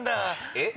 えっ？